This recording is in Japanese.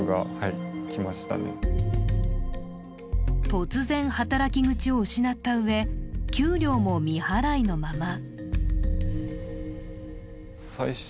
突然働き口を失ったうえ給料も未払いのまま。